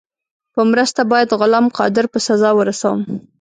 په مرسته باید غلام قادر په سزا ورسوم.